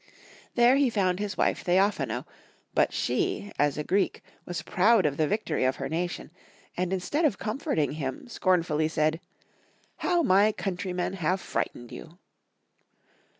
There he found his wife Theophano, but she, as a Greek, was proud of the victory of her nation, and instead of comforting him, scornfully said, "How my countrymen have frightened you!"